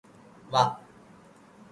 വാ